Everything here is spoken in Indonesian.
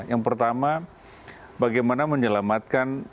yang pertama bagaimana menyelamatkan